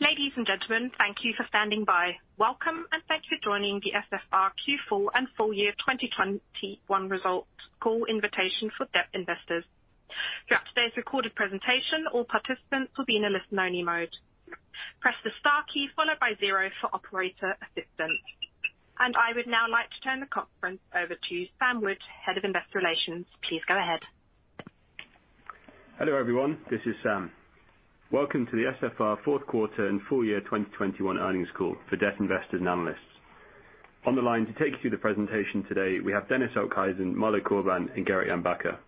Ladies and gentlemen, thank you for standing by. Welcome, and thanks for joining the SFR Q4 and full year 2021 results call invitation for debt investors. Throughout today's recorded presentation, all participants will be in a listen-only mode. Press the star key followed by zero for operator assistance. I would now like to turn the conference over to Sam Wood, Head of Investor Relations. Please go ahead. Hello, everyone. This is Sam. Welcome to the SFR fourth quarter and full year 2021 earnings call for debt investors and analysts. On the line to take you through the presentation today, we have Dennis Okhuijsen, Malo Corbin, and Gerrit Jan Bakker.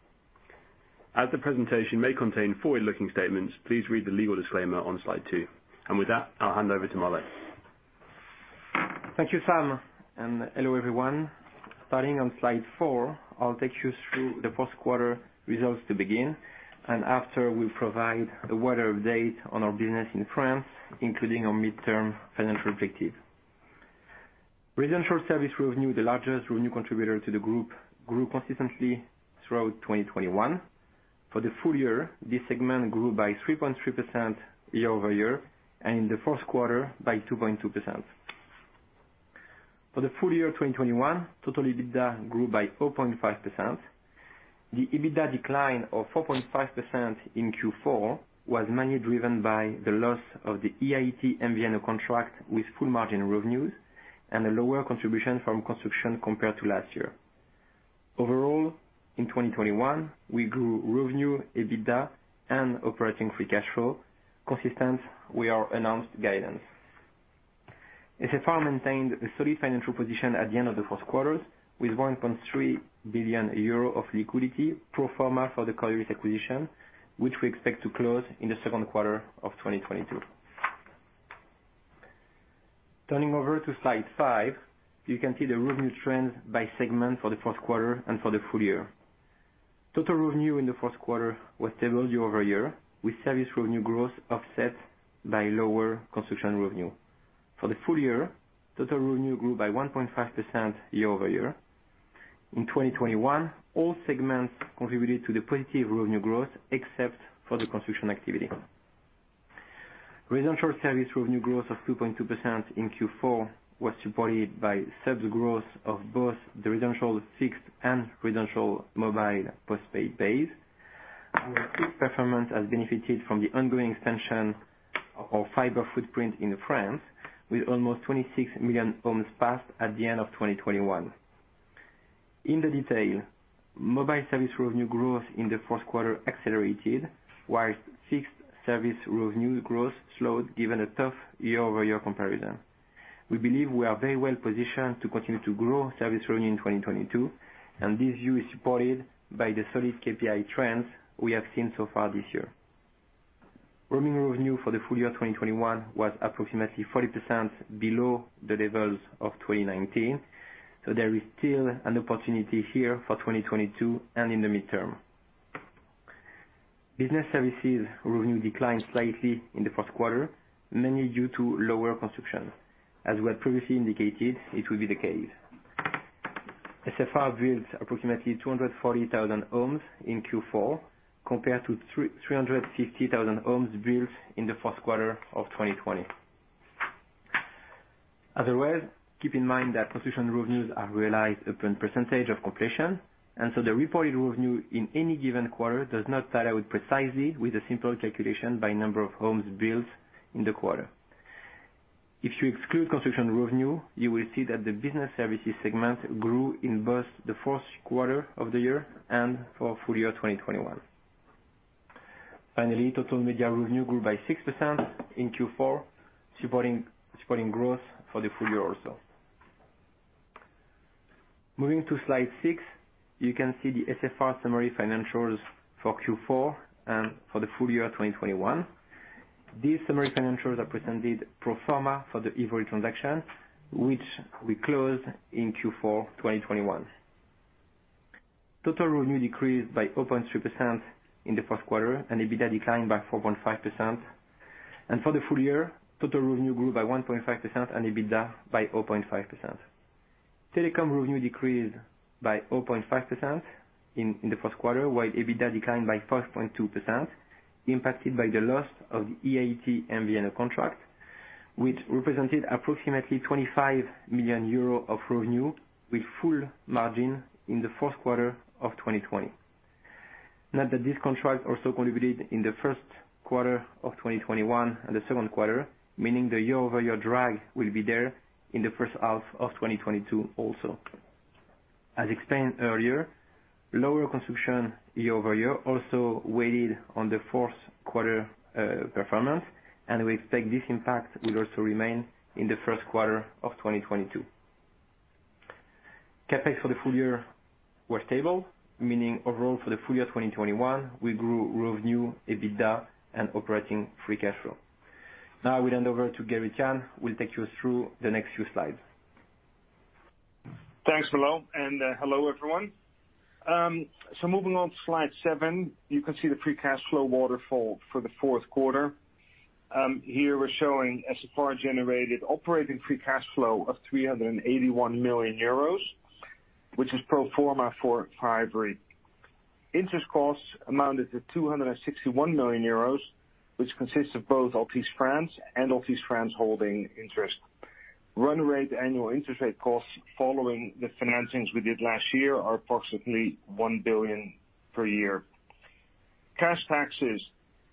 As the presentation may contain forward-looking statements, please read the legal disclaimer on slide two. With that, I'll hand over to Malo. Thank you, Sam, and hello, everyone. Starting on slide four, I'll take you through the fourth quarter results to begin, and after we'll provide a wider update on our business in France, including our mid-term financial objective. Residential service revenue, the largest revenue contributor to the group, grew consistently throughout 2021. For the full year, this segment grew by 3.3% year-over-year, and in the fourth quarter by 2.2%. For the full year 2021, total EBITDA grew by 4.5%. The EBITDA decline of 4.5% in Q4 was mainly driven by the loss of the EIT MVNO contract with full margin revenues and a lower contribution from construction compared to last year. Overall, in 2021, we grew revenue, EBITDA, and operating free cash flow consistent with our announced guidance. SFR maintained a solid financial position at the end of the fourth quarter with 1.3 billion euro of liquidity pro forma for the Covage acquisition, which we expect to close in the second quarter of 2022. Turning over to slide five, you can see the revenue trends by segment for the fourth quarter and for the full year. Total revenue in the fourth quarter was stable year-over-year, with service revenue growth offset by lower construction revenue. For the full year, total revenue grew by 1.5% year-over-year. In 2021, all segments contributed to the positive revenue growth except for the construction activity. Residential service revenue growth of 2.2% in Q4 was supported by subs growth of both the residential fixed and residential mobile post paid base. Performance has benefited from the ongoing extension of fiber footprint in France with almost 26 million homes passed at the end of 2021. In the detail, mobile service revenue growth in the fourth quarter accelerated while fixed service revenue growth slowed given a tough year-over-year comparison. We believe we are very well positioned to continue to grow service revenue in 2022, and this view is supported by the solid KPI trends we have seen so far this year. Roaming revenue for the full year 2021 was approximately 40% below the levels of 2019. There is still an opportunity here for 2022 and in the midterm. Business services revenue declined slightly in the fourth quarter, mainly due to lower construction. As we had previously indicated, it will be the case. SFR built approximately 240,000 homes in Q4 compared to 360,000 homes built in the fourth quarter of 2020. Otherwise, keep in mind that construction revenues are realized upon percentage of completion, and so the reported revenue in any given quarter does not tie out precisely with a simple calculation by number of homes built in the quarter. If you exclude construction revenue, you will see that the business services segment grew in both the fourth quarter of the year and for full year 2021. Finally, total media revenue grew by 6% in Q4, supporting growth for the full year also. Moving to slide six, you can see the SFR summary financials for Q4 and for the full year 2021. These summary financials are presented pro forma for the Hivory transaction, which we closed in Q4 2021. Total revenue decreased by 0.3% in the fourth quarter, and EBITDA declined by 4.5%. For the full year, total revenue grew by 1.5% and EBITDA by 0.5%. Telecom revenue decreased by 0.5% in the fourth quarter, while EBITDA declined by 4.2%, impacted by the loss of the EIT MVNO contract, which represented approximately 25 million euro of revenue with full margin in the fourth quarter of 2020. Note that this contract also contributed in the first quarter of 2021 and the second quarter, meaning the year-over-year drag will be there in the first half of 2022 also. As explained earlier, lower construction year over year also weighed on the fourth quarter performance, and we expect this impact will also remain in the first quarter of 2022. CapEx for the full year was stable, meaning overall for the full year 2021, we grew revenue, EBITDA, and operating free cash flow. Now I will hand over to Gerrit Jan Bakker, who will take you through the next few slides. Thanks, Malo. Hello, everyone. Moving on to slide seven, you can see the free cash flow waterfall for the fourth quarter. Here we're showing SFR generated operating free cash flow of 381 million euros, which is pro forma for Hivory. Interest costs amounted to 261 million euros, which consists of both Altice France and Altice France Holding interest. Run rate annual interest rate costs following the financings we did last year are approximately 1 billion per year. Cash taxes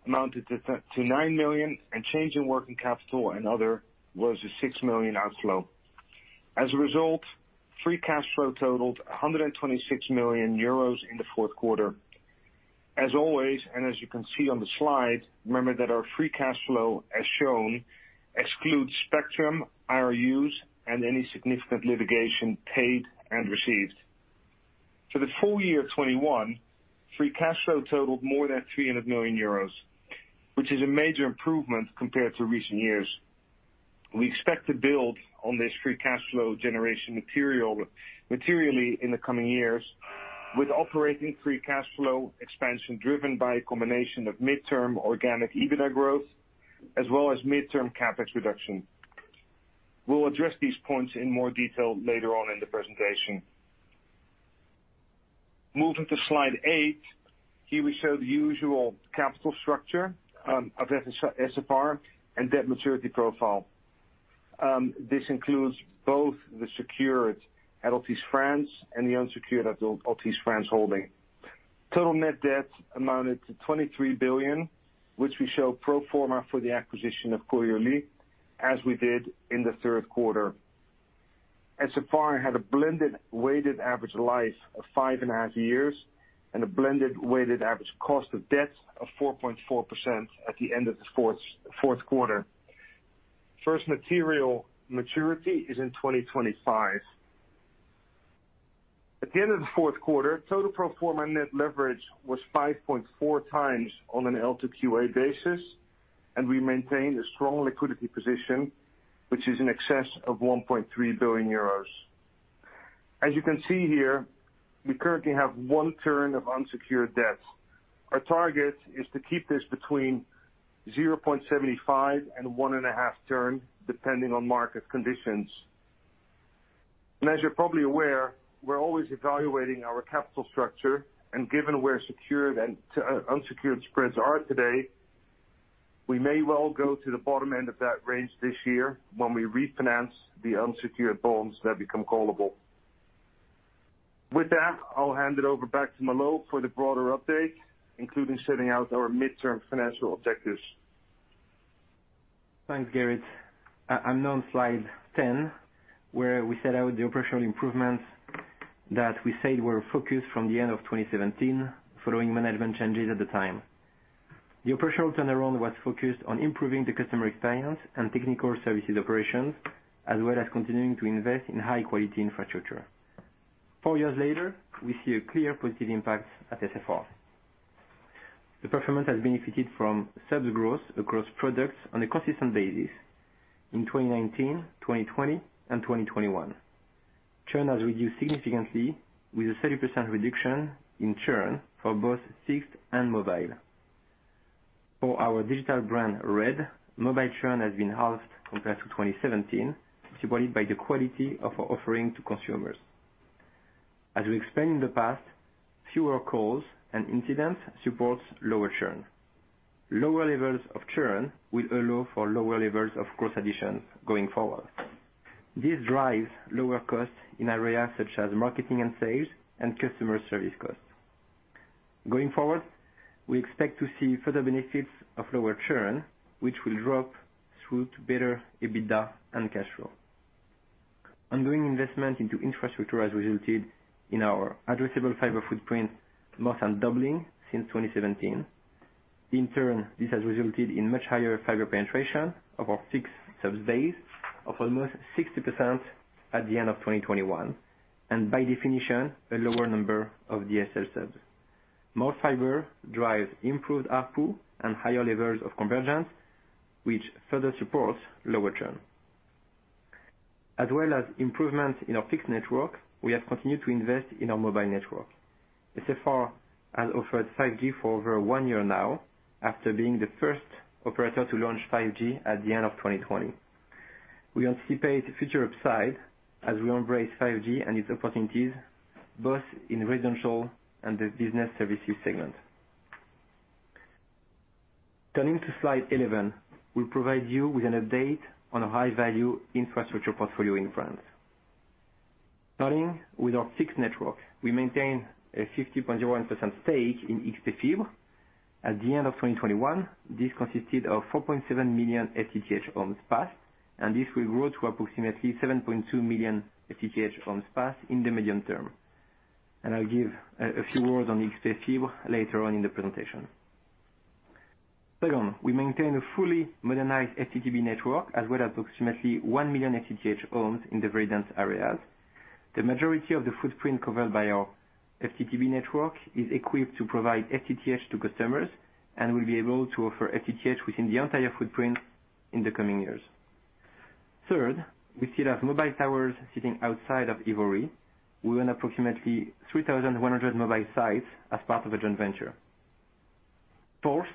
amounted to thirty-nine million, and change in working capital and other was a 6 million outflow. As a result, free cash flow totaled 126 million euros in the fourth quarter. As always, and as you can see on the slide, remember that our free cash flow as shown excludes spectrum, IRUs, and any significant litigation paid and received. For the full year 2021, free cash flow totaled more than 300 million euros, which is a major improvement compared to recent years. We expect to build on this free cash flow generation materially in the coming years, with operating free cash flow expansion driven by a combination of midterm organic EBITDA growth, as well as midterm CapEx reduction. We'll address these points in more detail later on in the presentation. Moving to slide eight. Here we show the usual capital structure of SFR and debt maturity profile. This includes both the secured Altice France and the unsecured Altice France holding. Total net debt amounted to 23 billion, which we show pro forma for the acquisition of Covage, as we did in the third quarter. SFR had a blended weighted average life of 5.5 years and a blended weighted average cost of debt of 4.4% at the end of the fourth quarter. First material maturity is in 2025. At the end of the fourth quarter, total pro forma net leverage was 5.4x on an LQA basis, and we maintained a strong liquidity position, which is in excess of 1.3 billion euros. As you can see here, we currently have one turn of unsecured debt. Our target is to keep this between 0.75 and 1.5 turns, depending on market conditions. As you're probably aware, we're always evaluating our capital structure, and given where secured and unsecured spreads are today, we may well go to the bottom end of that range this year when we refinance the unsecured bonds that become callable. With that, I'll hand it over back to Malo for the broader update, including setting out our midterm financial objectives. Thanks, Gerrit. I'm now on slide 10, where we set out the operational improvements that we said were our focus from the end of 2017 following management changes at the time. The operational turnaround was focused on improving the customer experience and technical services operations, as well as continuing to invest in high quality infrastructure. Four years later, we see a clear positive impact at SFR. The performance has benefited from subs growth across products on a consistent basis in 2019, 2020 and 2021. Churn has reduced significantly with a 30% reduction in churn for both fixed and mobile. For our digital brand, Red, mobile churn has been halved compared to 2017, supported by the quality of our offering to consumers. As we explained in the past, fewer calls and incidents supports lower churn. Lower levels of churn will allow for lower levels of cost additions going forward. This drives lower costs in areas such as marketing and sales and customer service costs. Going forward, we expect to see further benefits of lower churn, which will drop through to better EBITDA and cash flow. Ongoing investment into infrastructure has resulted in our addressable fiber footprint more than doubling since 2017. In turn, this has resulted in much higher fiber penetration of our fixed subs base of almost 60% at the end of 2021, and by definition, a lower number of DSL subs. More fiber drives improved ARPU and higher levels of convergence, which further supports lower churn. As well as improvements in our fixed network, we have continued to invest in our mobile network. SFR has offered 5G for over one year now, after being the first operator to launch 5G at the end of 2020. We anticipate future upside as we embrace 5G and its opportunities both in residential and the business services segment. Turning to slide 11, we provide you with an update on a high value infrastructure portfolio in France. Starting with our fixed network, we maintain a 60.01% stake in XpFibre. At the end of 2021, this consisted of 4.7 million FTTH homes passed, and this will grow to approximately 7.2 million FTTH homes passed in the medium term. I'll give a few words on XpFibre later on in the presentation. Second, we maintain a fully modernized FTTB network, as well as approximately 1 million FTTH homes in the very dense areas. The majority of the footprint covered by our FTTB network is equipped to provide FTTH to customers and will be able to offer FTTH within the entire footprint in the coming years. Third, we still have mobile towers sitting outside of Hivory. We own approximately 3,100 mobile sites as part of a joint venture. Fourth,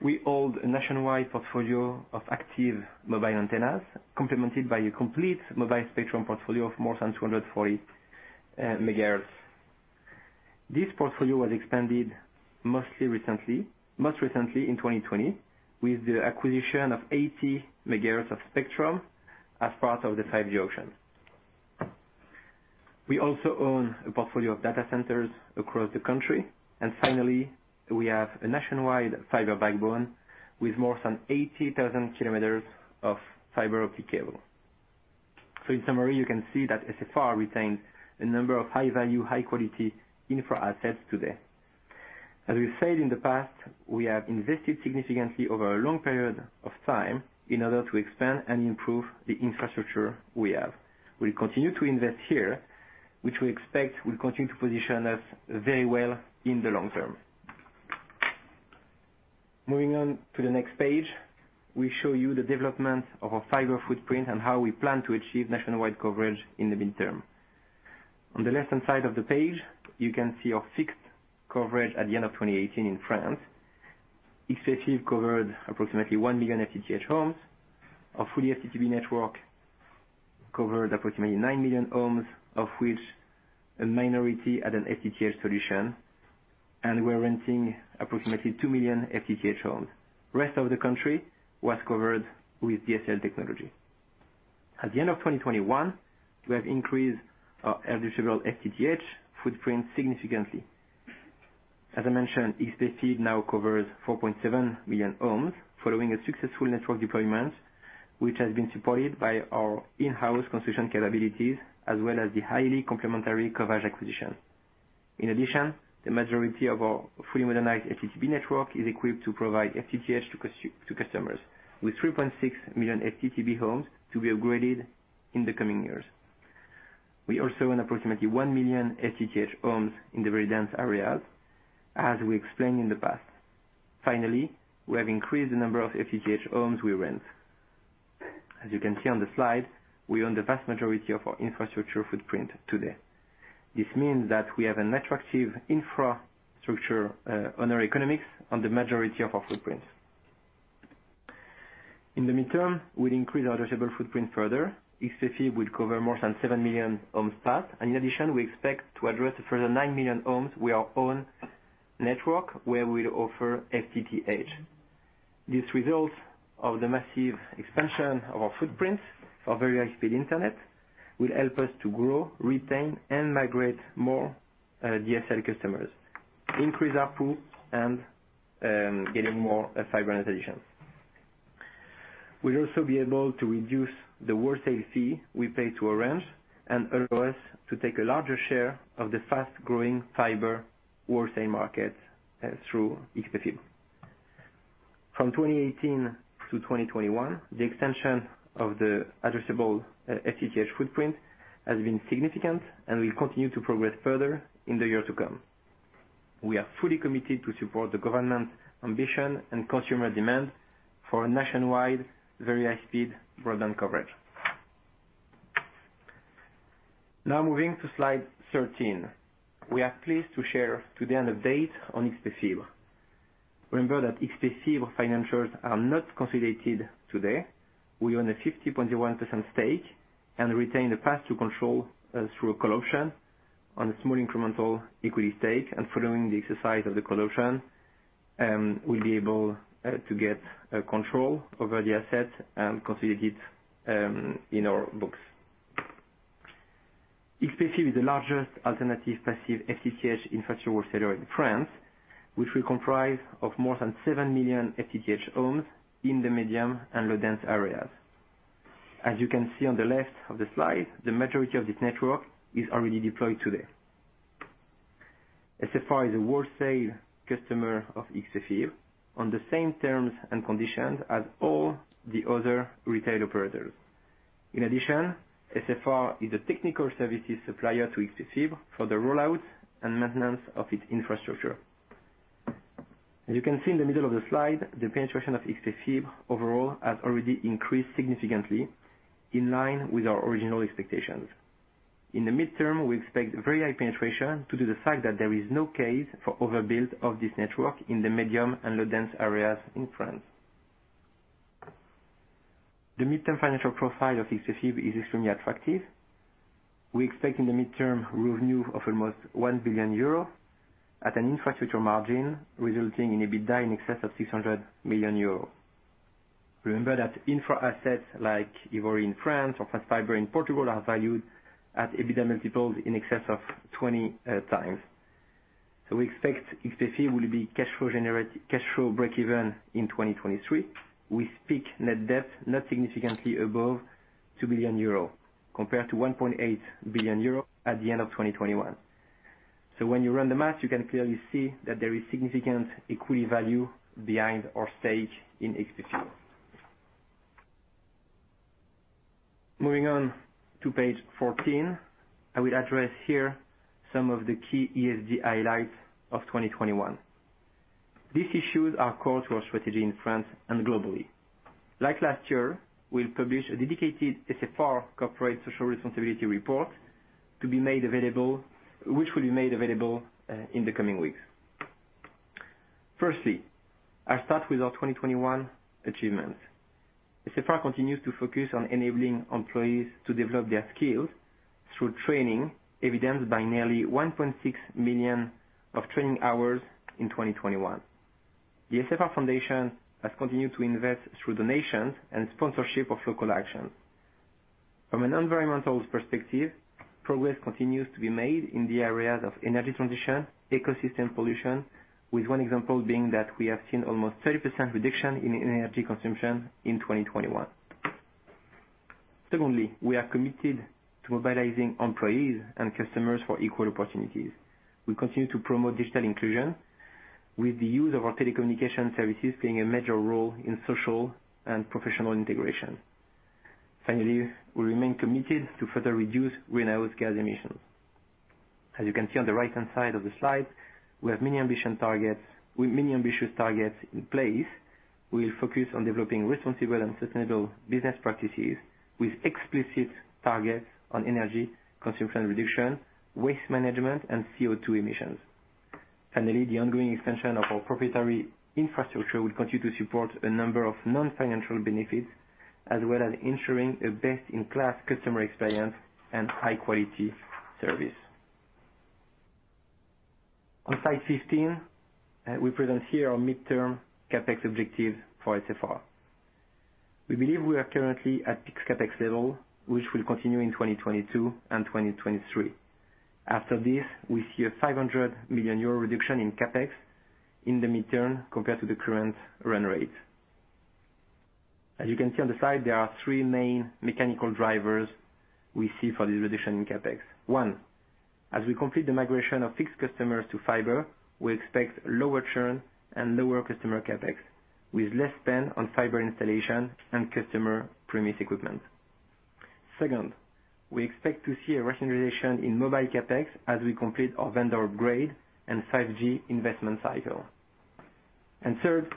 we hold a nationwide portfolio of active mobile antennas complemented by a complete mobile spectrum portfolio of more than 240 MHz. This portfolio was expanded most recently in 2020 with the acquisition of 80 MHz of spectrum as part of the 5G auction. We also own a portfolio of data centers across the country. Finally, we have a nationwide fiber backbone with more than 80,000 km of fiber optic cable. In summary, you can see that SFR retains a number of high value, high quality infra assets today. As we've said in the past, we have invested significantly over a long period of time in order to expand and improve the infrastructure we have. We continue to invest here, which we expect will continue to position us very well in the long term. Moving on to the next page, we show you the development of our fiber footprint and how we plan to achieve nationwide coverage in the midterm. On the left-hand side of the page, you can see our fixed coverage at the end of 2018 in France. XpFibre covered approximately one million FTTH homes. Our fully FTTB network covered approximately nine million homes, of which a minority had an FTTH solution, and we're renting approximately two million FTTH homes. Rest of the country was covered with DSL technology. At the end of 2021, we have increased our addressable FTTH footprint significantly. As I mentioned, XpFibre now covers 4.7 million homes following a successful network deployment, which has been supported by our in-house construction capabilities as well as the highly complementary coverage acquisition. In addition, the majority of our fully modernized FTTB network is equipped to provide FTTH to customers with 3.6 million FTTB homes to be upgraded in the coming years. We also own approximately one million FTTH homes in the very dense areas as we explained in the past. Finally, we have increased the number of FTTH homes we rent. As you can see on the slide, we own the vast majority of our infrastructure footprint today. This means that we have an attractive infrastructure on our economics on the majority of our footprints. In the midterm, we'll increase our addressable footprint further. XpFibre will cover more than seven million homes passed. In addition, we expect to address a further nine million homes with our own network, where we'll offer FTTH. These results of the massive expansion of our footprints for very high-speed internet will help us to grow, retain, and migrate more DSL customers, increase our pool and getting more fiber additions. We'll also be able to reduce the wholesale fee we pay to Orange and allow us to take a larger share of the fast-growing fiber wholesale market through XpFibre. From 2018 to 2021, the extension of the addressable FTTH footprint has been significant and will continue to progress further in the year to come. We are fully committed to support the government's ambition and consumer demand for a nationwide very high speed broadband coverage. Now moving to slide 13. We are pleased to share today an update on XpFibre. Remember that XpFibre financials are not consolidated today. We own a 50.01% stake and retain the path to control through a call option on a small incremental equity stake. Following the exercise of the call option, we'll be able to get control over the asset and consolidate in our books. XpFibre is the largest alternative passive FTTH infrastructure wholesaler in France, which will comprise of more than seven million FTTH homes in the medium and low dense areas. As you can see on the left of the slide, the majority of this network is already deployed today. SFR is a wholesale customer of XpFibre on the same terms and conditions as all the other retail operators. In addition, SFR is a technical services supplier to XpFibre for the rollout and maintenance of its infrastructure. As you can see in the middle of the slide, the penetration of XpFibre overall has already increased significantly in line with our original expectations. In the midterm, we expect very high penetration due to the fact that there is no case for overbuild of this network in the medium and low dense areas in France. The midterm financial profile of XpFibre is extremely attractive. We expect in the midterm revenue of almost 1 billion euro at an infrastructure margin, resulting in an EBITDA in excess of 600 million euro. Remember that infra assets like Hivory in France or FastFiber in Portugal are valued at EBITDA multiples in excess of 20x. We expect XpFibre will be cash flow breakeven in 2023, with peak net debt not significantly above 2 billion euro compared to 1.8 billion euro at the end of 2021. When you run the math, you can clearly see that there is significant equity value behind our stake in XpFibre. Moving on to page 14. I will address here some of the key ESG highlights of 2021. These issues are core to our strategy in France and globally. Like last year, we'll publish a dedicated SFR corporate social responsibility report to be made available in the coming weeks. Firstly, I'll start with our 2021 achievements. SFR continues to focus on enabling employees to develop their skills through training, evidenced by nearly 1.6 million of training hours in 2021. The SFR Foundation has continued to invest through donations and sponsorship of local actions. From an environmental perspective, progress continues to be made in the areas of energy transition, ecosystem pollution, with one example being that we have seen almost 30% reduction in energy consumption in 2021. Secondly, we are committed to mobilizing employees and customers for equal opportunities. We continue to promote digital inclusion with the use of our telecommunication services playing a major role in social and professional integration. Finally, we remain committed to further reduce greenhouse gas emissions. As you can see on the right-hand side of the slide, we have many ambitious targets in place. We are focused on developing responsible and sustainable business practices with explicit targets on energy consumption reduction, waste management, and CO2 emissions. Finally, the ongoing expansion of our proprietary infrastructure will continue to support a number of non-financial benefits, as well as ensuring a best-in-class customer experience and high quality service. On slide 15, we present here our midterm CapEx objectives for SFR. We believe we are currently at peak CapEx level, which will continue in 2022 and 2023. After this, we see a 500 million euro reduction in CapEx in the midterm compared to the current run rate. As you can see on the slide, there are three main mechanical drivers we see for the reduction in CapEx. One, as we complete the migration of fixed customers to fiber, we expect lower churn and lower customer CapEx, with less spend on fiber installation and customer premise equipment. Second, we expect to see a rationalization in mobile CapEx as we complete our vendor upgrade and 5G investment cycle. Third,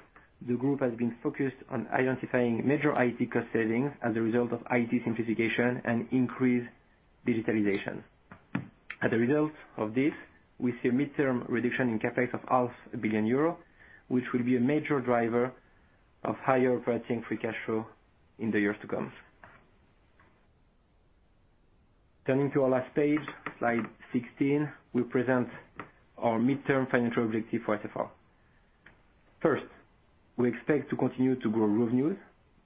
the group has been focused on identifying major IT cost savings as a result of IT simplification and increased digitalization. As a result of this, we see a midterm reduction in CapEx of half a billion EUR, which will be a major driver of higher operating free cash flow in the years to come. Turning to our last page, slide 16, we present our midterm financial objective for SFR. First, we expect to continue to grow revenues.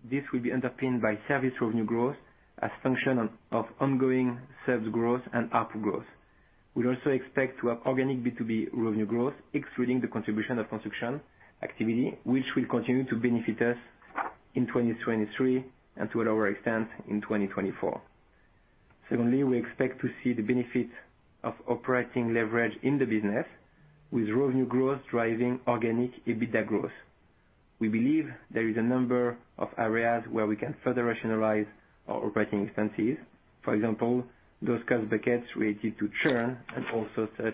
This will be underpinned by service revenue growth as a function of ongoing subs growth and ARPU growth. We also expect to have organic B2B revenue growth, excluding the contribution of construction activity, which will continue to benefit us in 2023 and to a lower extent in 2024. Secondly, we expect to see the benefit of operating leverage in the business with revenue growth driving organic EBITDA growth. We believe there is a number of areas where we can further rationalize our operating expenses. For example, those cost buckets related to churn and also such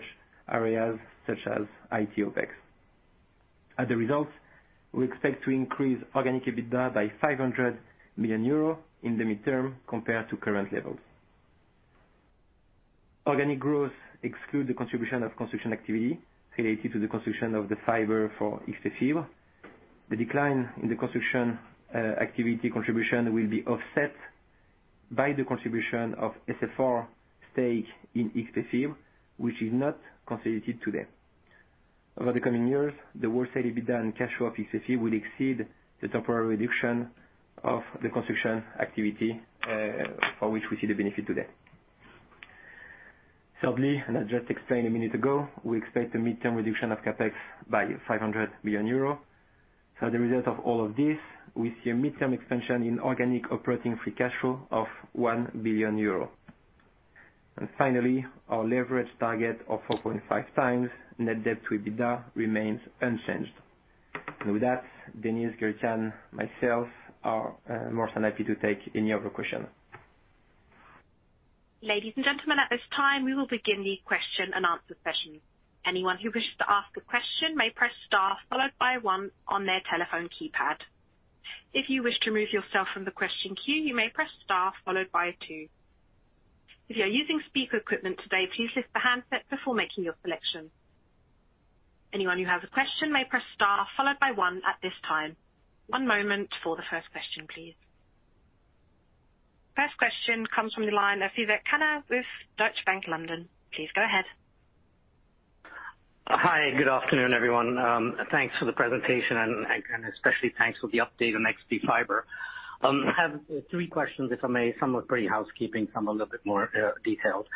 areas such as IT OpEx. As a result, we expect to increase organic EBITDA by 500 million euro in the midterm compared to current levels. Organic growth excludes the contribution of construction activity related to the construction of the fiber for XpFibre. The decline in the construction activity contribution will be offset by the contribution of SFR stake in XpFibre, which is not consolidated today. Over the coming years, the wholesale EBITDA and cash flow of XpFibre will exceed the temporary reduction of the construction activity, for which we see the benefit today. Thirdly, I just explained a minute ago, we expect a midterm reduction of CapEx by 500 million euro. As a result of all of this, we see a midterm expansion in organic operating free cash flow of 1 billion euro. Finally, our leverage target of 4.5x net debt to EBITDA remains unchanged. With that, Dennis, Gerrit Jan, myself are more than happy to take any of your questions. Ladies and gentlemen, at this time, we will begin the question and answer session. Anyone who wishes to ask a question may press star followed by one on their telephone keypad. If you wish to remove yourself from the question queue, you may press star followed by a two. If you are using speaker equipment today, please lift the handset before making your selection. Anyone who has a question may press star followed by one at this time. One moment for the first question, please. First question comes from the line of Vivek Khanna with Deutsche Bank, London. Please go ahead. Hi. Good afternoon, everyone. Thanks for the presentation and especially thanks for the update on XpFibre. I have three questions, if I may. Some are pretty housekeeping, some a little bit more detailed.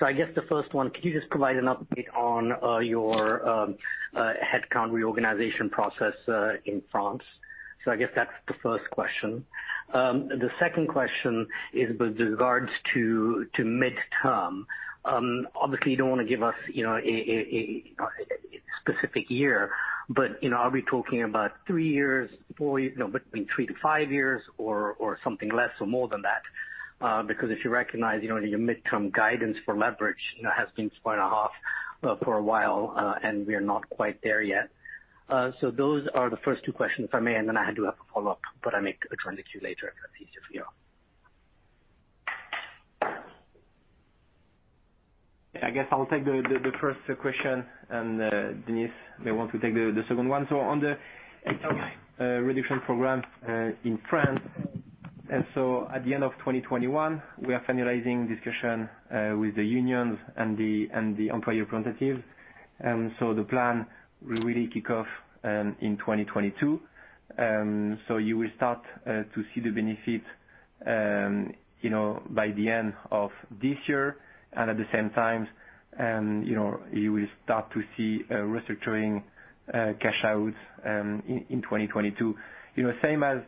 I guess the first one, could you just provide an update on your headcount reorganization process in France? I guess that's the first question. The second question is with regards to midterm. Obviously, you don't want to give us, you know, a specific year, but, you know, are we talking about three years, four years, between three to five years or something less or more than that? Because if you recognize, you know, your mid-term guidance for leverage, you know, has been 4.5x for a while, and we are not quite there yet. Those are the first two questions if I may, and then I do have a follow-up, but I'll make it a question later if that's easier for you. I guess I'll take the first question, and Dennis may want to take the second one. On the reduction program in France, at the end of 2021, we are finalizing discussion with the unions and the employer representative. The plan will really kick off in 2022. You will start to see the benefit, you know, by the end of this year, and at the same time, you know, you will start to see a restructuring cash outs in 2022. You know, same as,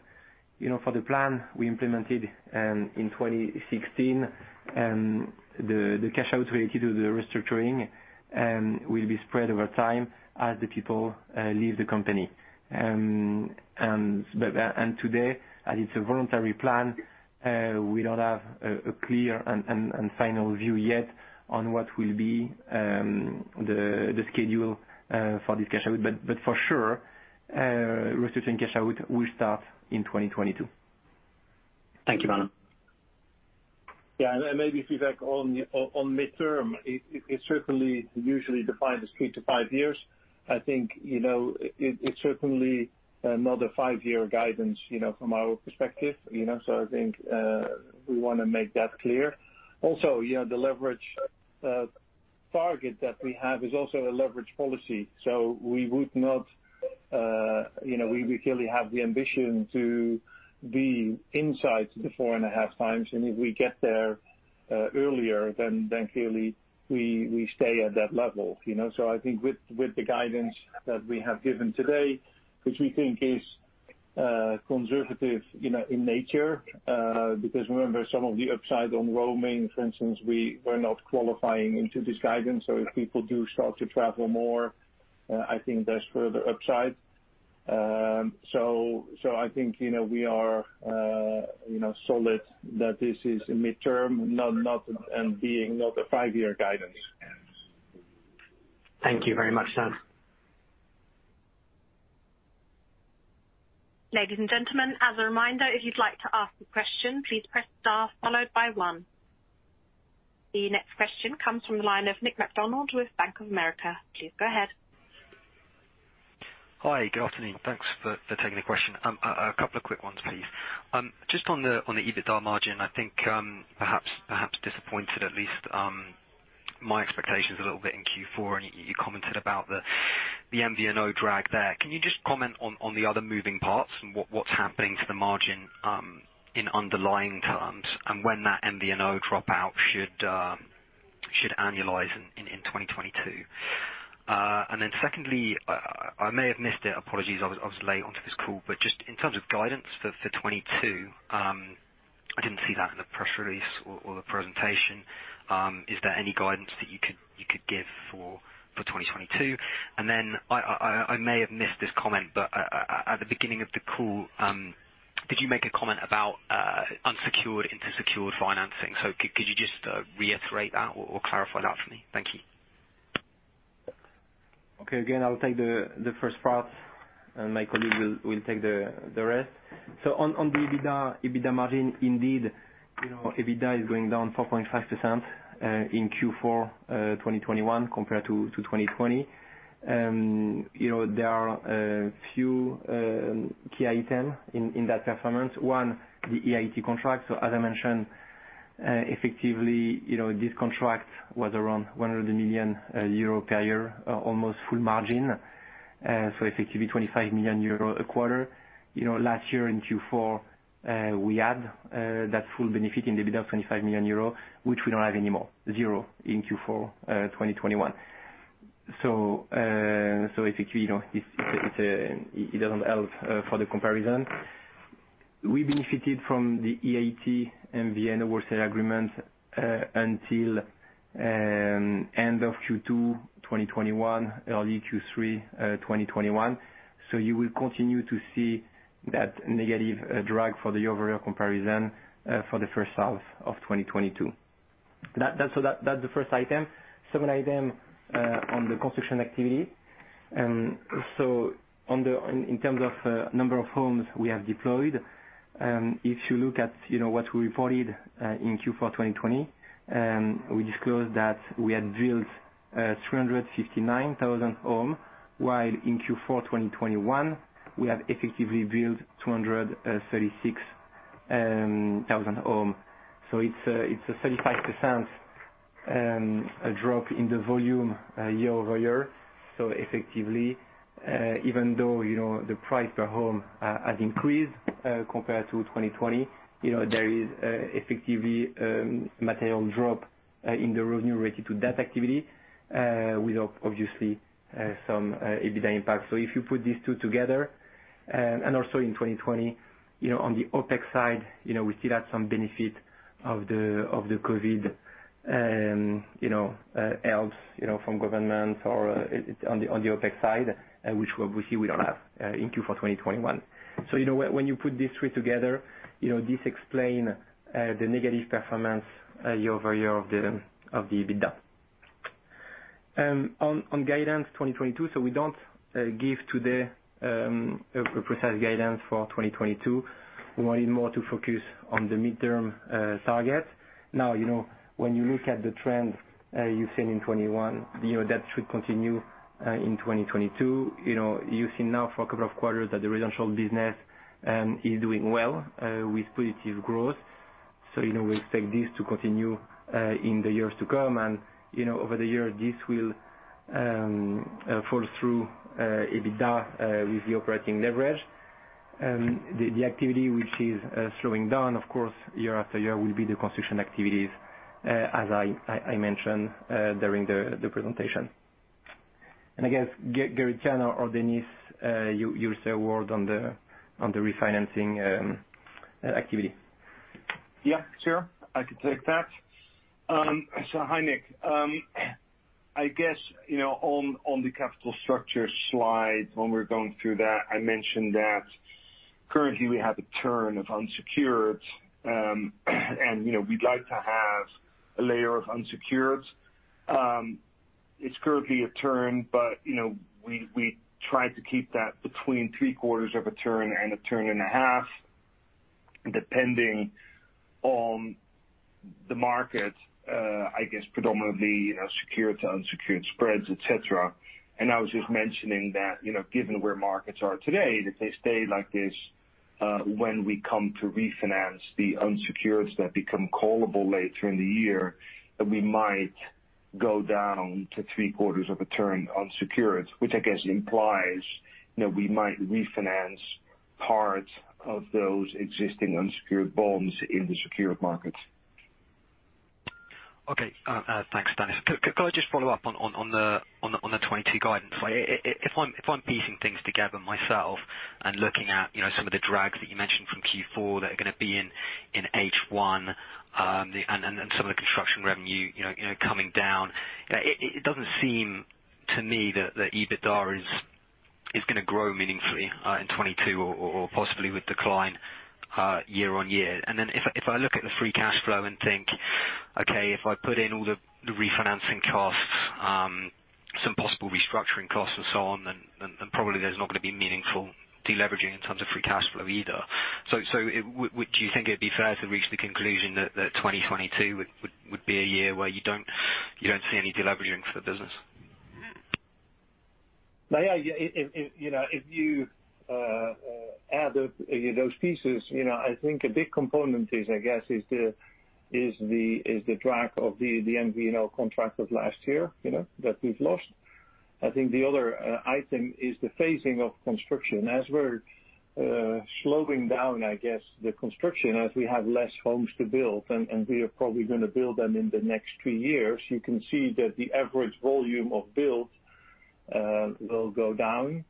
you know, for the plan we implemented in 2016, the cash out related to the restructuring will be spread over time as the people leave the company. Today, as it's a voluntary plan, we don't have a clear and final view yet on what will be the schedule for this cash out. For sure, restructuring cash out will start in 2022. Thank you, Malo. Yeah. Maybe feedback on midterm. It certainly usually defined as three to five years. I think, you know, it certainly another five-year guidance, you know, from our perspective, you know. I think we wanna make that clear. Also, you know, the leverage target that we have is also a leverage policy. We clearly have the ambition to be inside the 4.5x. If we get there earlier, then clearly we stay at that level, you know. I think with the guidance that we have given today, which we think is conservative, you know, in nature, because remember some of the upside on roaming, for instance, we were not qualifying into this guidance. If people do start to travel more, I think there's further upside. I think, you know, we are, you know, solid that this is a midterm, not a five-year guidance. Thank you very much, sir. Ladies and gentlemen, as a reminder, if you'd like to ask a question, please press star followed by one. The next question comes from the line of Nick MacDonald with Bank of America. Please go ahead. Hi, good afternoon. Thanks for taking the question. A couple of quick ones, please. Just on the EBITDA margin, I think perhaps disappointed at least my expectations a little bit in Q4, and you commented about the MVNO drag there. Can you just comment on the other moving parts and what's happening to the margin in underlying terms and when that MVNO dropout should annualize in 2022? Secondly, I may have missed it, apologies, I was late onto this call, but just in terms of guidance for 2022, I didn't see that in the press release or the presentation. Is there any guidance that you could give for 2022? I may have missed this comment, but at the beginning of the call, did you make a comment about unsecured into secured financing? Could you just reiterate that or clarify that for me? Thank you. Okay. Again, I'll take the first part, and my colleague will take the rest. On the EBITDA margin, indeed, you know, EBITDA is going down 4.5% in Q4 2021 compared to 2020. You know, there are a few key item in that performance. 1, the EIT contract. As I mentioned, effectively, you know, this contract was around 100 million euro per year, almost full margin, so effectively 25 million euro a quarter. You know, last year in Q4, we had that full benefit in the EBITDA of 25 million euro, which we don't have anymore, 0 in Q4 2021. Effectively, you know, it doesn't help for the comparison. We benefited from the EIT MVNO wholesale agreement until end of Q2 2021, early Q3 2021. You will continue to see that negative drag for the year-over-year comparison for the first half of 2022. That's the first item. Second item on the construction activity. In terms of number of homes we have deployed, if you look at you know what we reported in Q4 2020, we disclosed that we had built 359,000 homes, while in Q4 2021, we have effectively built 236,000 homes. It's a 35% drop in the volume year-over-year. Effectively, even though, you know, the price per home has increased compared to 2020, you know, there is effectively material drop in the revenue related to that activity with obviously some EBITDA impact. If you put these two together, and also in 2020, you know, on the OpEx side, you know, we still have some benefit of the COVID, you know, help from government or on the OpEx side, which obviously we don't have in Q4 2021. You know, when you put these three together, you know, this explain the negative performance year-over-year of the EBITDA. On guidance 2022, we don't give today a precise guidance for 2022. We wanted more to focus on the midterm target. Now, you know, when you look at the trends, you've seen in 2021, you know that should continue in 2022. You know, you've seen now for a couple of quarters that the residential business is doing well with positive growth. You know, we expect this to continue in the years to come. You know, over the years, this will flow through EBITDA with the operating leverage. The activity which is slowing down, of course, year after year will be the construction activities, as I mentioned during the presentation. I guess, Gerrit Jan or Dennis, you will say a word on the refinancing activity. Yeah, sure. I can take that. So hi, Nick. I guess, you know, on the capital structure slide, when we're going through that, I mentioned that currently we have a turn of unsecured. You know, we'd like to have a layer of unsecured. It's currently a turn, but, you know, we try to keep that between three-quarters of a turn and a turn and a half, depending on the market, I guess predominantly, you know, secured to unsecured spreads, et cetera. I was just mentioning that, you know, given where markets are today, if they stay like this, when we come to refinance the unsecureds that become callable later in the year, that we might go down to three-quarters of a turn on secured, which I guess implies, you know, we might refinance parts of those existing unsecured bonds in the secured markets. Okay. Thanks, Dennis. Could I just follow up on the 2022 guidance? If I'm piecing things together myself and looking at, you know, some of the drags that you mentioned from Q4 that are gonna be in H1, and some of the construction revenue, you know, coming down, it doesn't seem to me that EBITDA is gonna grow meaningfully in 2022 or possibly would decline year-on-year. If I look at the free cash flow and think, okay, if I put in all the refinancing costs, some possible restructuring costs and so on, then probably there's not gonna be meaningful deleveraging in terms of free cash flow either. Would you think it'd be fair to reach the conclusion that 2022 would be a year where you don't see any deleveraging for the business? Yeah, you know, if you add those pieces, you know, I think a big component is, I guess, the drag of the MVNO contract of last year, you know, that we've lost. I think the other item is the phasing of construction. As we're slowing down, I guess, the construction as we have less homes to build, and we are probably gonna build them in the next two years, you can see that the average volume of build will go down.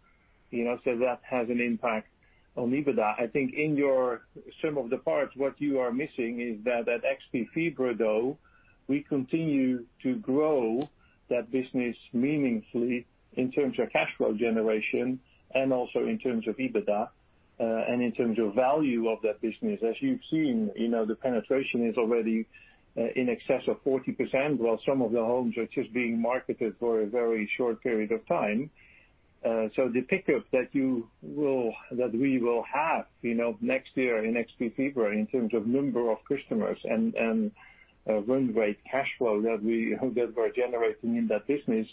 You know, so that has an impact on EBITDA. I think in your sum of the parts, what you are missing is that at XpFibre, though, we continue to grow that business meaningfully in terms of cash flow generation and also in terms of EBITDA, and in terms of value of that business. As you've seen, you know, the penetration is already in excess of 40%, while some of the homes are just being marketed for a very short period of time. The pickup that we will have, you know, next year in XpFibre in terms of number of customers and run rate cash flow that we're generating in that business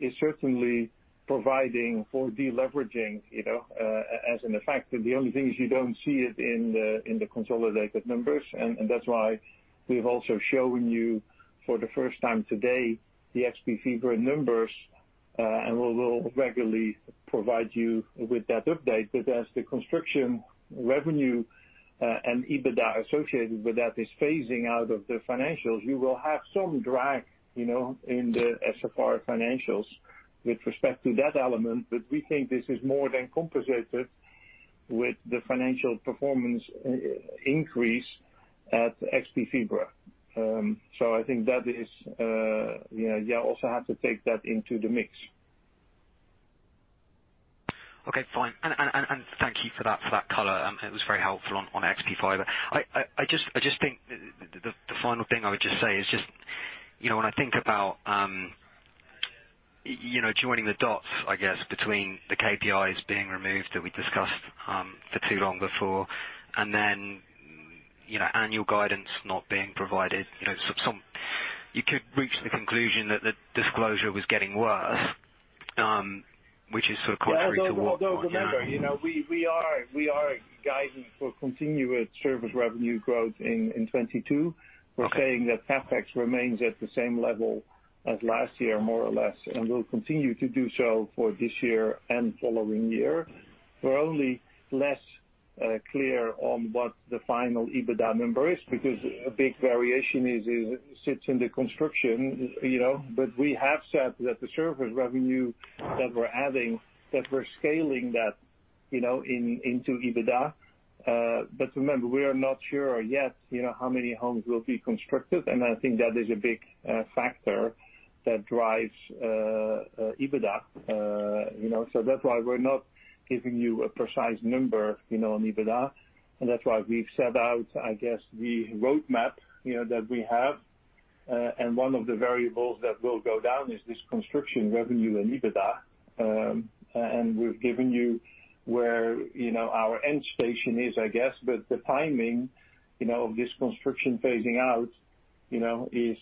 is certainly providing for deleveraging, you know. As in effect, the only thing is you don't see it in the consolidated numbers, and that's why we've also shown you for the first time today the XpFibre numbers, and we will regularly provide you with that update. As the construction revenue and EBITDA associated with that is phasing out of the financials, you will have some drag, you know, in the SFR financials with respect to that element. We think this is more than compensated with the financial performance increase at XpFibre. I think that is, you know, you also have to take that into the mix. Okay, fine. Thank you for that color. It was very helpful on XpFibre. I just think the final thing I would just say is just you know, when I think about you know, joining the dots, I guess, between the KPIs being removed that we discussed for too long before, and then you know, annual guidance not being provided, you know, some. You could reach the conclusion that the disclosure was getting worse, which is sort of contrary to what- Well, although remember, you know, we are guiding for continuous service revenue growth in 2022. Okay. We're saying that CapEx remains at the same level as last year, more or less, and will continue to do so for this year and following year. We're only less clear on what the final EBITDA number is because a big variation sits in the construction, you know. We have said that the service revenue that we're adding, that we're scaling that, you know, into EBITDA. Remember, we are not sure yet, you know, how many homes will be constructed, and I think that is a big factor that drives EBITDA. You know, so that's why we're not giving you a precise number, you know, on EBITDA. That's why we've set out, I guess, the roadmap, you know, that we have. One of the variables that will go down is this construction revenue and EBITDA. We've given you where, you know, our end station is, I guess. The timing, you know, of this construction phasing out, you know, is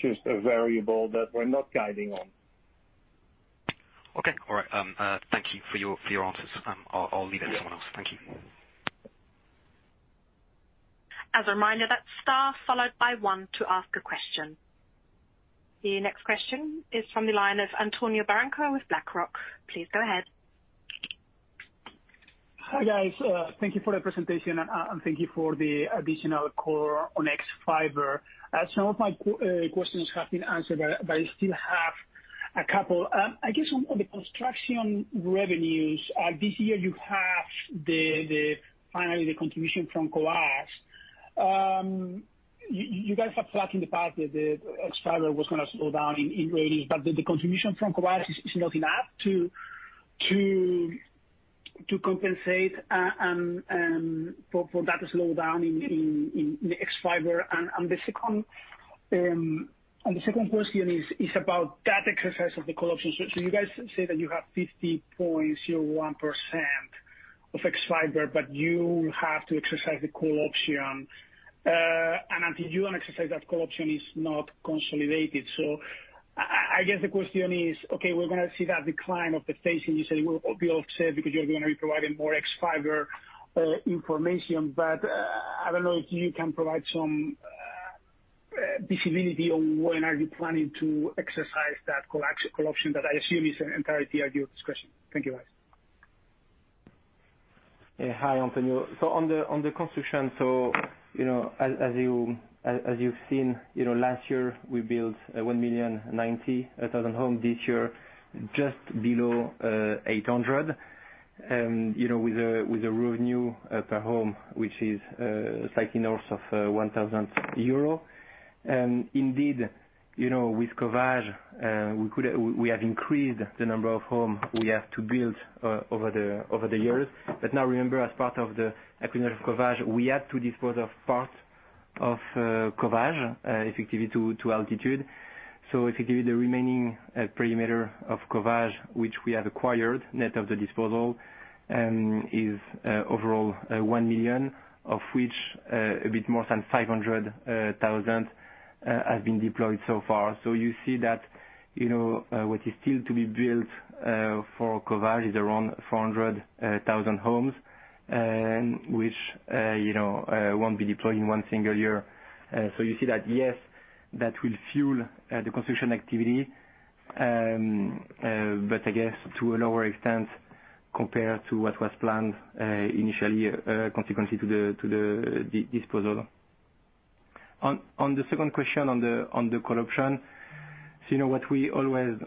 just a variable that we're not guiding on. Okay. All right. Thank you for your answers. I'll leave it to someone else. Thank you. As a reminder, that's star followed by one to ask a question. The next question is from the line of Antonio Barranco with BlackRock. Please go ahead. Hi, guys. Thank you for the presentation, and thank you for the additional color on XpFibre. Some of my questions have been answered, but I still have a couple. I guess on the construction revenues, this year you have finally the contribution from Covage. You guys have flagged in the past that XpFibre was gonna slow down in France, but the contribution from Covage is not enough to compensate for that slowdown in the XpFibre. The second question is about that exercise of the call option. You guys say that you have 50.01% of XpFibre, but you have to exercise the call option. Until you exercise that call option, it is not consolidated. I guess the question is, okay, we're gonna see that decline of the phasing. You said it will all be offset because you're gonna be providing more XpFibre information. But I don't know if you can provide some visibility on when are you planning to exercise that call option that I assume is entirely at your discretion. Thank you, guys. Hi, Antonio. On the construction, you know, as you've seen, you know, last year we built 1,090,000 homes. This year, just below 800, you know, with a revenue per home, which is slightly north of 1,000 euro. Indeed, you know, with Covage, we have increased the number of homes we have to build over the years. Now remember, as part of the acquisition of Covage, we had to dispose of part of Covage, effectively to Altitude. Effectively the remaining perimeter of Covage, which we have acquired net of the disposal, is overall one million, of which a bit more than 500,000 have been deployed so far. You see that, you know, what is still to be built for Covage is around 400,000 homes, which, you know, won't be deployed in one single year. You see that, yes, that will fuel the construction activity. But I guess to a lower extent compared to what was planned initially, consequently to the disposal. On the second question on the call option, you know what we always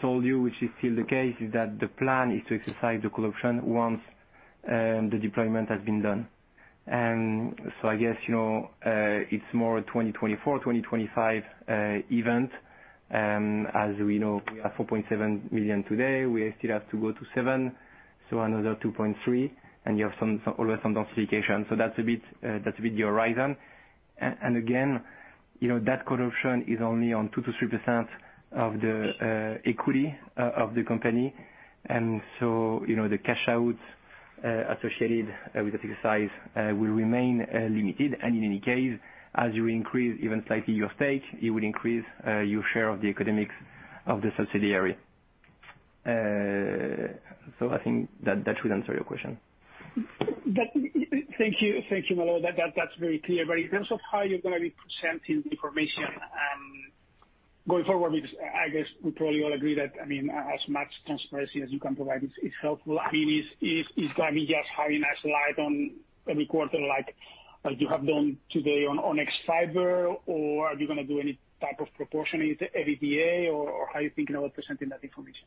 told you, which is still the case, is that the plan is to exercise the call option once the deployment has been done. I guess, you know, it's more a 2024, 2025 event. As we know, we are at 4.7 million today, we still have to go to 7 million, so another 2.3 million, and you have some, always some densification. That's a bit the horizon. Again, you know, that call option is only on 2%-3% of the equity of the company. You know, the cash outs associated with that exercise will remain limited. In any case, as you increase even slightly your stake, it will increase your share of the economics of the subsidiary. I think that should answer your question. Thank you. Thank you, Malo. That's very clear. In terms of how you're gonna be presenting the information going forward, because I guess we probably all agree that, I mean, as much transparency as you can provide is helpful. I mean, is it gonna be just having a slide on every quarter like you have done today on ex-fiber? Or are you gonna do any type of proportioning to EBITDA? Or how are you thinking about presenting that information?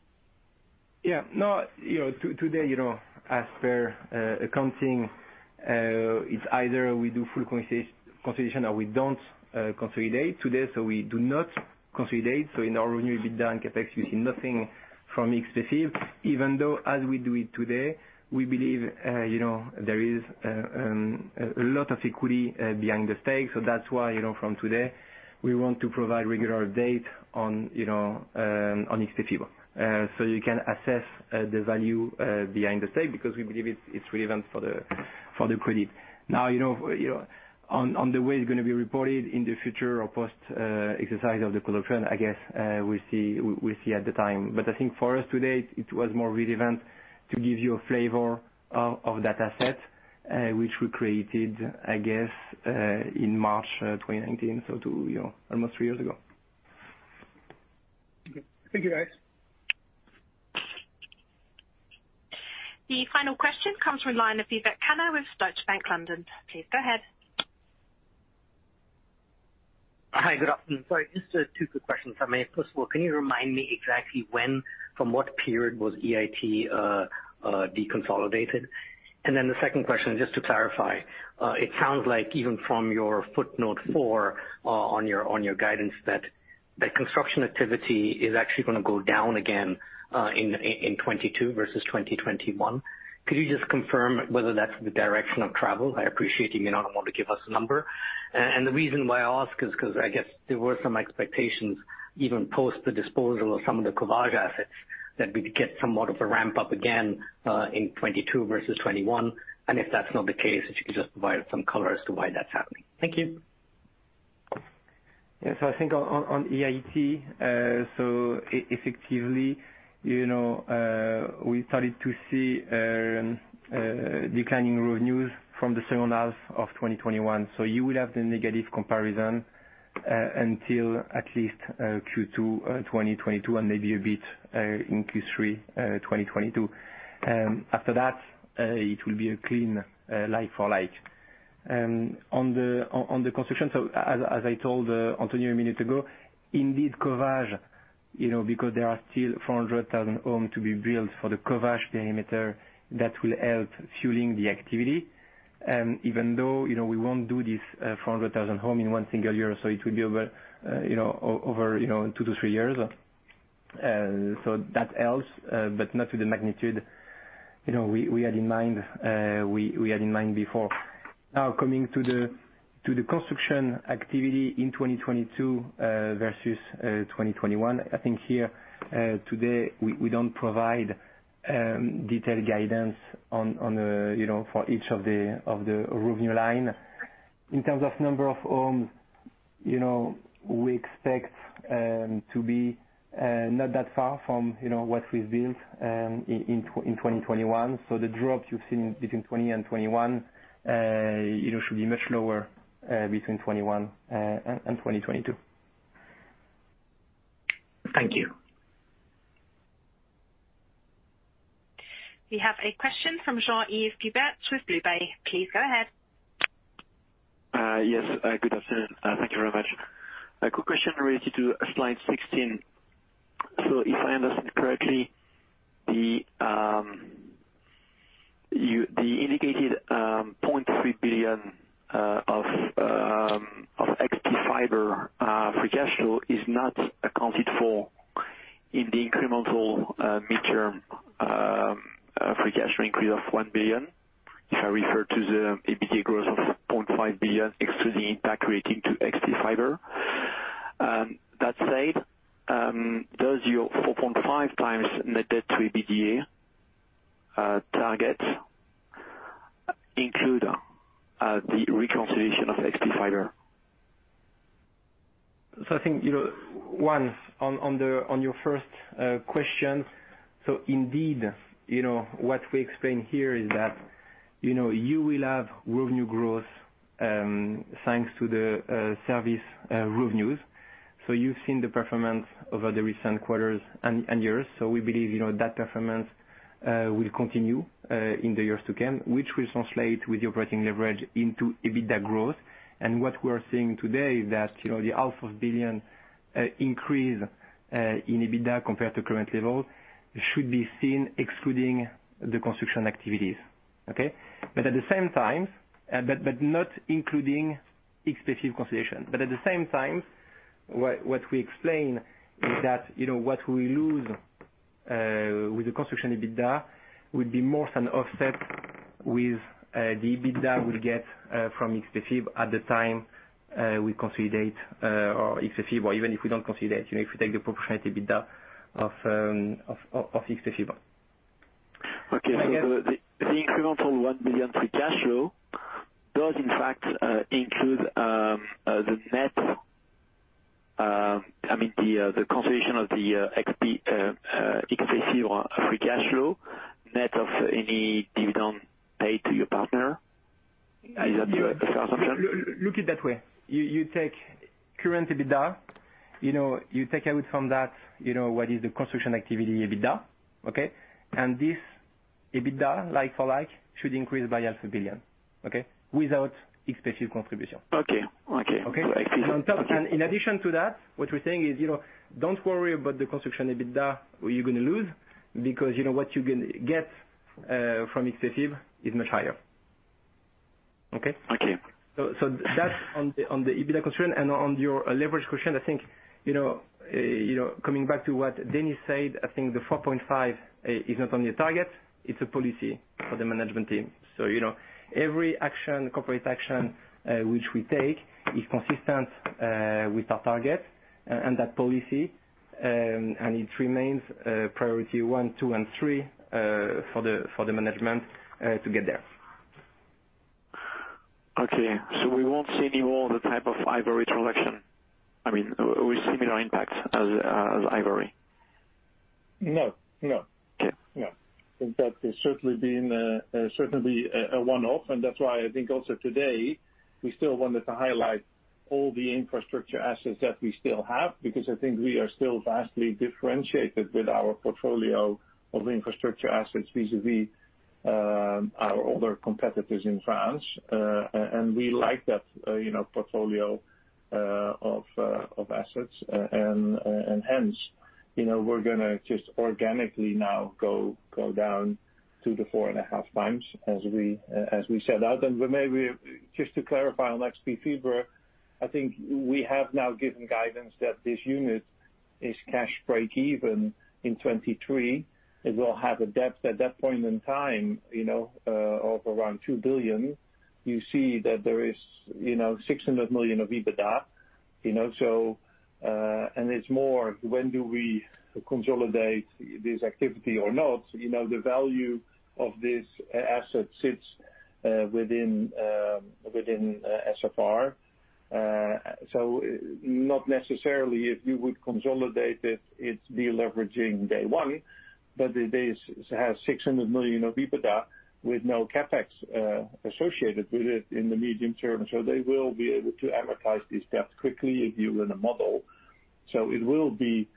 Yeah. No, you know, today, you know, as per accounting, it's either we do full consolidation or we don't consolidate today. We do not consolidate. In our revenue, EBITDA, and CapEx, you see nothing from ex-fiber. Even though as we do it today, we believe, you know, there is a lot of equity behind the stake. That's why, you know, from today we want to provide regular updates on, you know, on ex-fiber. You can assess the value behind the stake because we believe it's relevant for the credit. Now, you know, on the way it's gonna be reported in the future or post exercise of the call option, I guess, we'll see at the time. I think for us today, it was more relevant to give you a flavor of that asset, which we created, I guess, in March 2019, two, you know, almost three years ago. Okay. Thank you, guys. The final question comes from the line of Vivek Khanna with Deutsche Bank, London. Please go ahead. Hi, good afternoon. Sorry, just two quick questions for me. First of all, can you remind me exactly when from what period was EIT deconsolidated? Then the second question, just to clarify, it sounds like even from your footnote four on your guidance that the construction activity is actually gonna go down again in 2022 versus 2021. Could you just confirm whether that's the direction of travel? I appreciate you may not want to give us a number. The reason why I ask is 'cause I guess there were some expectations, even post the disposal of some of the Covage assets, that we'd get somewhat of a ramp up again in 2022 versus 2021. If that's not the case, if you could just provide some color as to why that's happening. Thank you. I think on EIT, effectively, we started to see declining revenues from the second half of 2021. You will have the negative comparison until at least Q2 2022, and maybe a bit in Q3 2022. After that, it will be a clean like for like. On the construction, as I told Antonio a minute ago, indeed, Covage, because there are still 400,000 homes to be built for the Covage perimeter, that will help fueling the activity. Even though, we won't do this 400,000 homes in one single year, it will be over two to three years. That helps, but not to the magnitude, you know, we had in mind before. Now, coming to the construction activity in 2022 versus 2021. I think here today we don't provide detailed guidance on the, you know, for each of the revenue line. In terms of number of homes, you know, we expect to be not that far from, you know, what we've built in 2021. The drop you've seen between 2020 and 2021, you know, should be much lower between 2021 and 2022. Thank you. We have a question from Jean-Yves Guibert with BlueBay. Please go ahead. Yes. Good afternoon. Thank you very much. A quick question related to slide 16. If I understand correctly, the indicated EUR 0.3 billion of XpFibre free cash flow is not accounted for in the incremental midterm free cash increase of 1 billion. If I refer to the EBITDA growth of 0.5 billion excluding impact relating to XpFibre. That said, does your 4.5x net debt to EBITDA target include the reconciliation of XpFibre? I think, you know, on your first question. Indeed, you know, what we explain here is that, you know, you will have revenue growth thanks to the service revenues. You've seen the performance over the recent quarters and years. We believe, you know, that performance will continue in the years to come, which will translate with the operating leverage into EBITDA growth. What we are seeing today is that, you know, the EUR half a billion increase in EBITDA compared to current level should be seen excluding the construction activities. At the same time, not including XpFibre consolidation. At the same time, what we explain is that, you know, what we lose with the construction EBITDA would be more than offset with the EBITDA we'll get from XpFibre at the time we consolidate or XpFibre or even if we don't consolidate, you know, if we take the proportionate EBITDA of XpFibre. Okay. The incremental 1 billion free cash flow does in fact include the net, I mean, the consolidation of the XpFibre free cash flow net of any dividend paid to your partner. Is that a fair assumption? Look at it that way. You take current EBITDA, you know, you take out from that, you know, what is the construction activity EBITDA, okay? This EBITDA, like for like, should increase by EUR half a billion, okay? Without XpFibre contribution. Okay. Okay. Okay? In addition to that, what we're saying is, you know, don't worry about the construction EBITDA you're gonna lose because, you know, what you can get from XpFibre is much higher. Okay? Okay. That's on the EBITDA question and on your leverage question. I think, you know, coming back to what Dennis said, I think 4.5x is not only a target, it's a policy for the management team. You know, every action, corporate action, which we take is consistent with our target and that policy. It remains priority one, two, and three for the management to get there. Okay. We won't see any more of the type of Hivory transaction. I mean, with similar impacts as Hivory. No. Okay. No. That has certainly been certainly a one-off, and that's why I think also today, we still wanted to highlight all the infrastructure assets that we still have, because I think we are still vastly differentiated with our portfolio of infrastructure assets vis-a-vis our older competitors in France. And we like that, you know, portfolio of assets. And hence, you know, we're gonna just organically now go down to the 4.5x times as we set out. Maybe just to clarify on XpFibre, I think we have now given guidance that this unit is cash break-even in 2023. It will have a debt at that point in time, you know, of around 2 billion. You see that there is, you know, 600 million of EBITDA, you know, and it's more when do we consolidate this activity or not. You know, the value of this asset sits within SFR. Not necessarily if you would consolidate it's de-leveraging day one, but it has 600 million of EBITDA with no CapEx associated with it in the medium term. They will be able to amortize this debt quickly if you were to model. It will be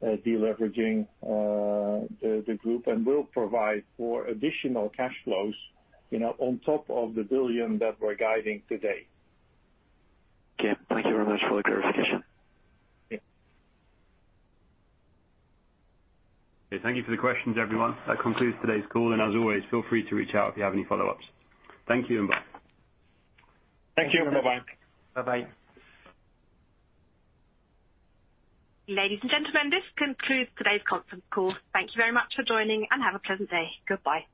de-leveraging the group and will provide for additional cash flows, you know, on top of the 1 billion that we're guiding today. Okay. Thank you very much for the clarification. Yeah. Okay. Thank you for the questions, everyone. That concludes today's call, and as always, feel free to reach out if you have any follow-ups. Thank you and bye. Thank you. Bye-bye. Bye-bye. Ladies and gentlemen, this concludes today's conference call. Thank you very much for joining, and have a pleasant day. Goodbye.